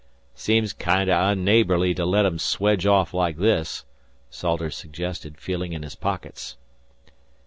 "Seems kinder uneighbourly to let 'em swedge off like this," Salters suggested, feeling in his pockets.